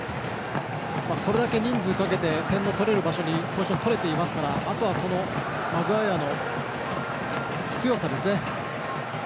これだけ人数をかけて点を取れる場所にポジションをとれていますからあとはマグワイアの強さですね。